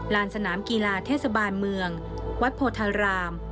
สนามกีฬาเทศบาลเมืองวัดโพธาราม